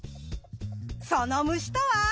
その虫とは？